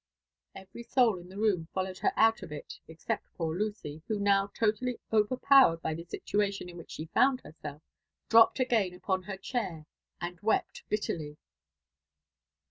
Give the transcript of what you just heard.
*'^ Every soul in the r6om followed h^t dttt d it eibept pbbr tiitf, mh6 now totally oterpdwered by the situation iii which Khe fotitid hets^lf, dropped again upon her chafr and Wept Mtlerty.